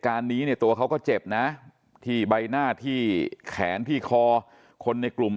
การนี้เนี่ยตัวเขาก็เจ็บนะที่ใบหน้าที่แขนที่คอคนในกลุ่ม